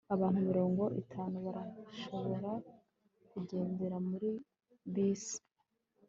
abantu mirongo itanu barashobora kugendera muri bisi